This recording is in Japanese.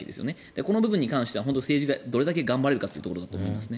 この部分の関しては政治がどれだけ頑張れるかというところですね。